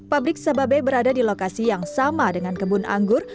pabrik sababe berada di lokasi yang sama dengan kebun anggur